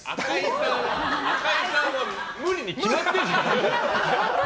赤井さんは無理に決まってるじゃん。